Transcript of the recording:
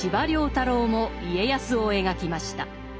太郎も家康を描きました。